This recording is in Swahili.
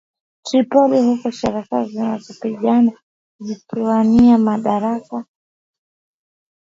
Tripoli huku serikali zinazopingana zikiwania madaraka